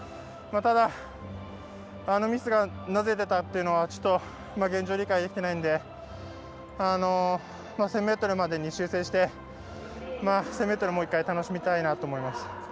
ただ、あのミスがなぜ出たっていうのはちょっと、現状理解できていないんで１０００ｍまでに修正して１０００ｍ、もう１回楽しみたいなと思います。